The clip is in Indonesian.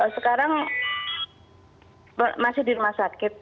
sekarang masih di rumah sakit